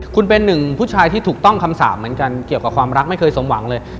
คุณเป็นหนึ่งผู้ชายที่ถูกต้องคำสามเหมือนกันเกี่ยวกับความรักไม่เคยสมหวังเลย